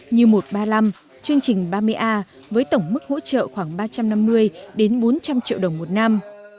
như một trăm ba mươi năm chương trình ba mươi a với tổng mức hỗ trợ khoảng ba trăm năm mươi đến bốn trăm linh triệu đồng một năm